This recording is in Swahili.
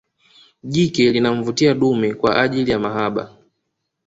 Jike linamvutia dume kwa ajili ya mahaba